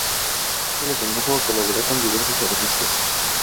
Esto lo condujo a colaborar con diversos artistas.